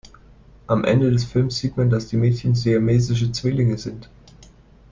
Am Ende des Films sieht man, dass die Mädchen siamesische Zwillinge sind.